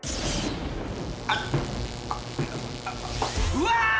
うわ！